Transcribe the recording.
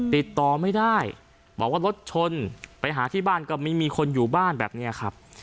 ติดต่อไม่ได้บอกว่ารถชนไปหาที่บ้านก็ไม่มีคนอยู่บ้านแบบนี้ครับ